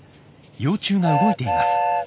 幼虫が動いています。